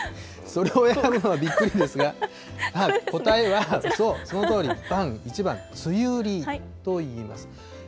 それを選ぶのはびっくりですが、答えは、ばん、１番、つゆりといいます。